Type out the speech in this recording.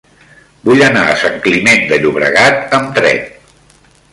Vull anar a Sant Climent de Llobregat amb tren.